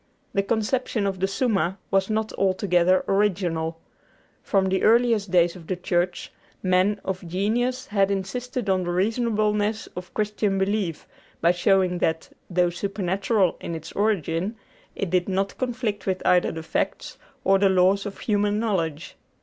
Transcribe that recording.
The conception of the 'Summa' was not altogether original. From the earliest days of the Church, men of genius had insisted on the reasonableness of Christian belief by showing that, though supernatural in its origin, it did not conflict with either the facts or the laws of human knowledge.